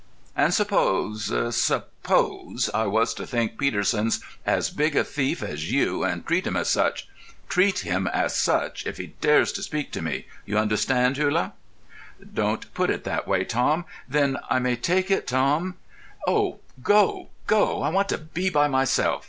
"And suppose—suppose I was to think Peterson's as big a thief as you, and treat him as such—treat him as such, if he dares to speak to me; you understand, Hullah?" "Don't put it that way, Tom ... then I may take it, Tom——?" "Oh, go, go! I want to me by myself!"